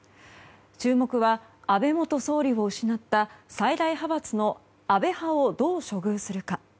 注目は安倍元総理を失った最大派閥の安倍派をどう処遇するか。